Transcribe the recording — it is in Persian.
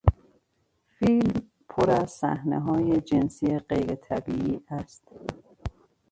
فیلم پر از صحنههای جنسی غیرطبیعی است.